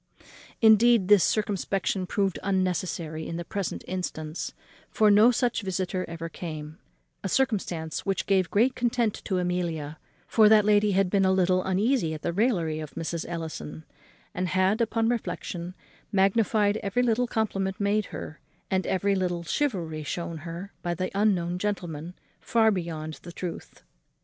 Indeed, this circumspection proved unnecessary in the present instance, for no such visitor ever came; a circumstance which gave great content to Amelia; for that lady had been a little uneasy at the raillery of Mrs. Ellison, and had upon reflexion magnified every little compliment made her, and every little civility shewn her by the unknown gentleman, far beyond the truth.